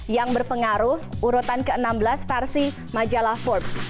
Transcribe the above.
yang berpengaruh urutan ke enam belas versi majalah forbes